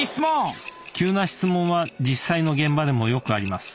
急な質問は実際の現場でもよくあります。